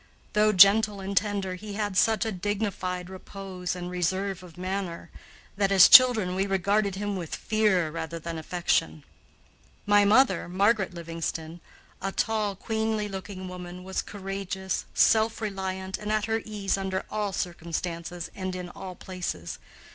Though gentle and tender, he had such a dignified repose and reserve of manner that, as children, we regarded him with fear rather than affection. My mother, Margaret Livingston, a tall, queenly looking woman, was courageous, self reliant, and at her ease under all circumstances and in all places.